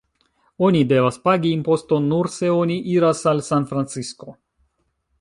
Oni devas pagi imposton nur se oni iras al Sanfrancisko.